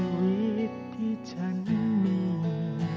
ชีวิตที่ฉันมี